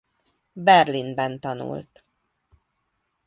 Berlinben tanult.